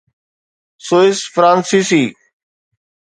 Swiss فرانسيسي